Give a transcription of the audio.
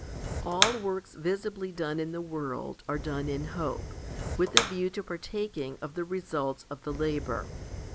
i. ALL works visibly done in the world are done in hope, with a view to partaking of the results of the labour.